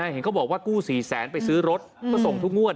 เห็นเขาบอกว่ากู้๔แสนไปซื้อรถก็ส่งทุกงวด